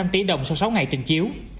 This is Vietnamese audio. ba trăm linh tỷ đồng sau sáu ngày trình chiếu